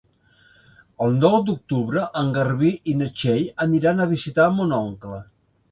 El nou d'octubre en Garbí i na Txell aniran a visitar mon oncle.